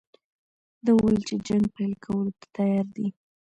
ده وویل چې جنګ پیل کولو ته تیار دی.